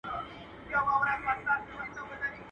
ټول پردي دي بېګانه دي مقتدي دی که امام دی ..